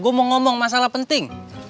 gue mau ngomong masalah penting